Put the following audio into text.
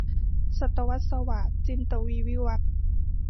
ศตวรรษสวาท - จินตวีร์ วิวัธน์